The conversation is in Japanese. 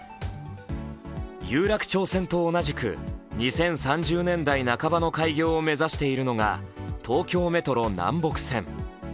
有楽町線と同じく２０３０年代半ばの開業を目指しているのが東京メトロ南北線。